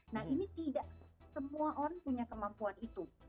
nah ini tidak semua orang punya kemampuan itu